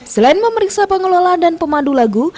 selain memeriksa pengelola dan pemandu lagu